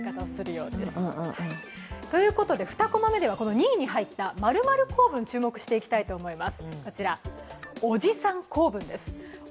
２位に入った○○構文注目していきたいと思います。